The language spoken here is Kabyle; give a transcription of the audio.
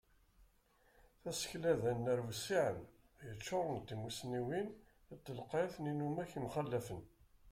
Tasekla d anar wissiɛen, yeččuren d timusniwin d telqayt n yinumak yemxalafen.